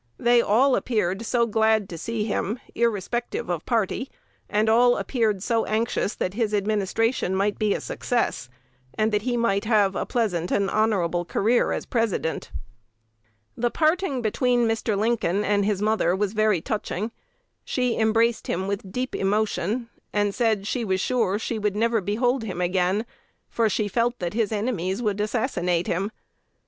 They all appeared so glad to see him, irrespective of party, and all appeared so anxious that his administration might be a success, and that he might have a pleasant and honorable career as President." The parting between Mr. Lincoln and his mother was very touching. She embraced him with deep emotion, and said she was sure she would never behold him again, for she felt that his enemies would assassinate him.